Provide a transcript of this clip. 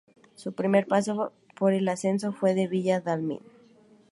Su primer paso por el ascenso fue en Villa Dálmine.